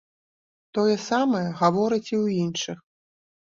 Тое самае гавораць і ў іншых.